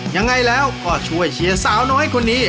ยังไงแล้วก็ช่วยเชียร์สาวน้อยคนนี้